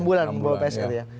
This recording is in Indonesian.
enam bulan membawa pesawat ya